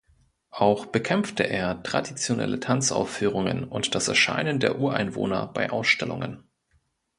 Auch bekämpfte er traditionelle Tanzaufführungen und das Erscheinen der Ureinwohner bei Ausstellungen.